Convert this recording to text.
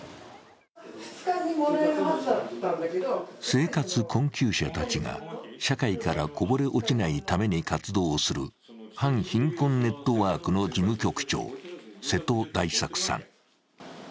生活困窮者たちが社会からこぼれ落ちないために活動をする反貧困ネットワークの事務局長、瀬戸大作さん。